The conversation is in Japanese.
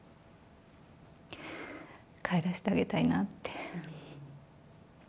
帰らせてあげたいなって。